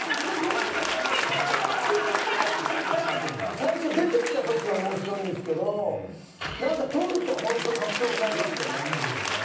最初出てきた時は面白いんですけどなんか撮ると本当格好良くなりますよね。